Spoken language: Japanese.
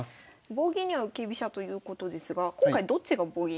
棒銀には浮き飛車ということですが今回どっちが棒銀するんですか？